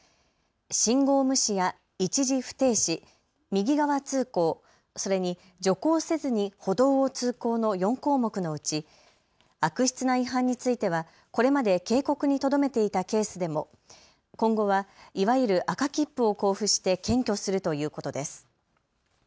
信号無視や一時不停止、右側通行、それに徐行せずに歩道を通行の４項目のうち、悪質な違反についてはこれまで警告にとどめていたケースでも今後はいわゆる赤切符を交付して検挙するということです。